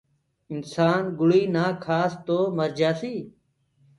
انسآن گُݪي نآ کآس تو مرجآسي